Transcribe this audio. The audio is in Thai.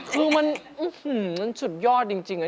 คือมันสุดยอดจริง